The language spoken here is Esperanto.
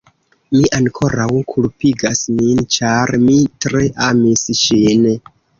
Mi ankoraŭ kulpigas min, ĉar mi tre amis ŝin.